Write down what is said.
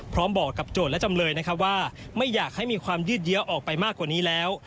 บอกกับโจทย์และจำเลยนะครับว่าไม่อยากให้มีความยืดเยอะออกไปมากกว่านี้แล้ว